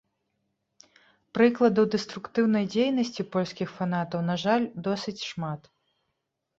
Прыкладаў дэструктыўнай дзейнасці польскіх фанатаў, на жаль, досыць шмат.